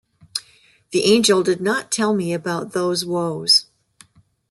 The angel did not tell me about those woes.